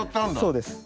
そうです。